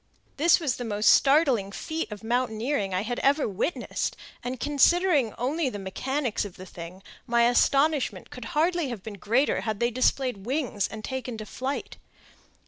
This was the most startling feat of mountaineering I had ever witnessed, and, considering only the mechanics of the thing, my astonishment could hardly have been greater had they displayed wings and taken to flight.